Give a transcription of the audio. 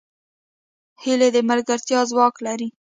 هیلۍ د ملګرتیا ځواک لري